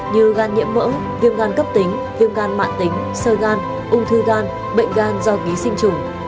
như gan nhiễm mỡ viêm gan cấp tính viêm gan mạng tính sơ gan ung thư gan bệnh gan do ký sinh trùng